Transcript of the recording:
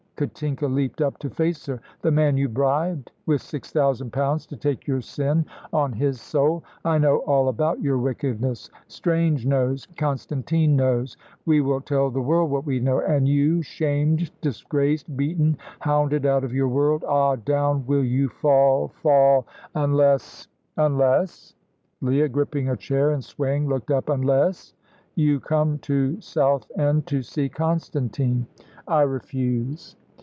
Katinka leaped up to face her. "The man you bribed with six thousand pounds to take your sin on his soul. I know all about your wickedness; Strange knows; Constantine knows. We will tell the world what we know; and you, shamed, disgraced, beaten, hounded out of your world ah, down will you fall fall unless " "Unless?" Leah, gripping a chair and swaying, looked up. "Unless?" "You come to Southend to see Constantine." "I refuse."